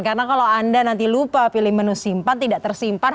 karena kalau anda nanti lupa pilih menu simpan tidak tersimpan